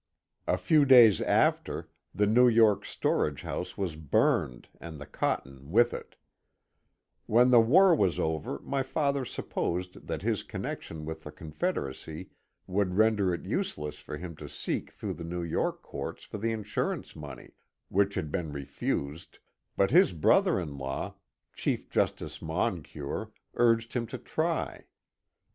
A few days after, the New York storage house was burned and the cotton with it When the war was over my father supposed that his connection with the Con federacy would render it useless for him to seek through the New York courts for the insurance money, — which had been refused, — but his brother in law, Chief Justice Moncure, urged him to try.